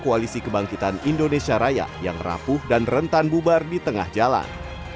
koalisi kebangkitan indonesia raya yang rapuh dan rentan bubar di tengah jalan